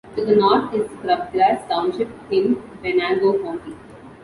To the north is Scrubgrass Township in Venango County.